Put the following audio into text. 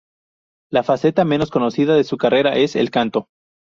La faceta menos conocida de su carrera es el canto.